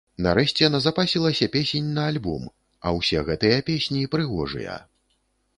Нарэшце назапасілася песень на альбом, а ўсе гэтыя песні прыгожыя.